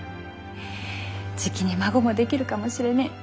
じきに孫も出来るかもしれねぇ。